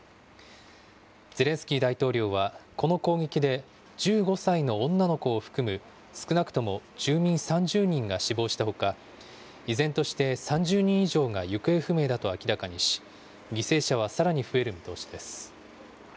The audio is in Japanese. ゼレンスキー大統領は、この攻撃で、１５歳の女の子を含む少なくとも住民３０人が死亡したほか、依然として３０人以上が行方不明だと明らかにし、犠牲者はさらに増える見通しです。